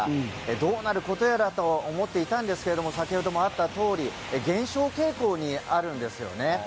どうなることやらとは思っていたんですけれども先ほどもあったとおり減少傾向にあるんですよね。